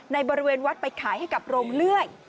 ในบริเวณวัดไปขายให้กับโรงเลื่อย